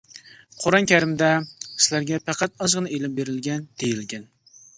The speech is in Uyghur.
«قۇرئان كەرىم» دە:سىلەرگە پەقەت ئازغىنا ئىلىم بېرىلگەن دېيىلگەن.